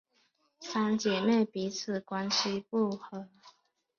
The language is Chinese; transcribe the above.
三姐妹彼此关系不和。